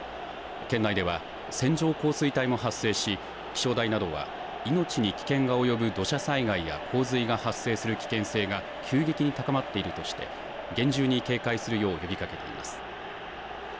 県内では線状降水帯も発生し、気象台などは命に危険が及ぶ土砂災害や洪水が発生する危険性が急激に高まっているとして、厳重に警戒するよう呼びかけています。